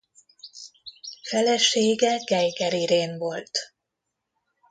Felesége Geiger Irén volt.